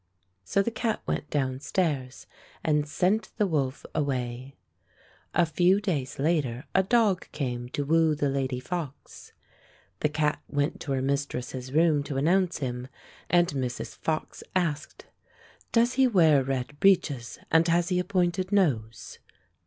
So the cat went downstairs and sent the wolf away. A few days later a dog came to woo the lady fox. The cat went to her mistress's room to announce him, and Mrs. Fox asked, "Does he wear red breeches, and has he a pointed nose?"